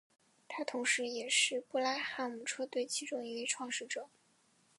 他同时也是布拉汉姆车队其中一位创始者。